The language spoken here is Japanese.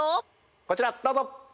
こちらどうぞ！